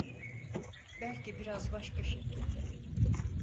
Belki biraz başka şekilde…